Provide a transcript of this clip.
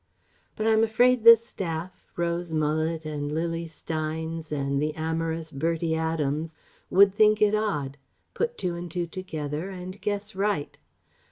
But I'm afraid the staff Rose Mullet and Lily Steynes and the amorous Bertie Adams would think it odd, put two and two together, and guess right.